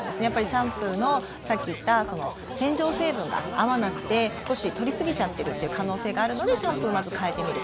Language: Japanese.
シャンプーの、さっき言った洗浄成分が合わなくて少し取りすぎちゃってるっていう可能性があるのでシャンプーをまず変えてみる。